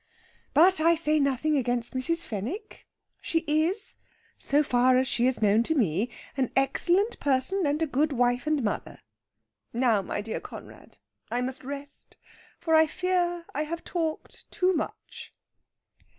But I say nothing against Mrs. Fenwick. She is, so far as she is known to me, an excellent person, and a good wife and mother. Now, my dear Conrad, I must rest, for I fear I have talked too much."